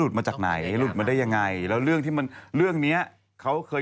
คือจริงแล้วแค่ตรงนี้มันก็